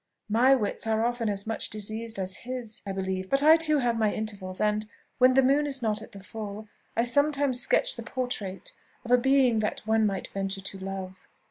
My wits are often as much diseased as his, I believe; but I too have my intervals; and, when the moon is not at the full, I sometimes sketch the portrait of a being that one might venture to love.